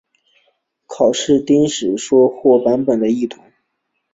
考异考订史实或书籍版本的异同。